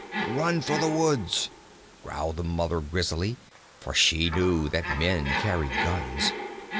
"Run for the woods," growled the Mother Grizzly, for she knew that men carried guns.